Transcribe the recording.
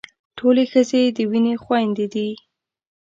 ټولې ښځې د وينې خويندې دي.